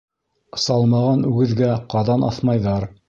Салмаған үгеҙгә ҡаҙан аҫмайҙар.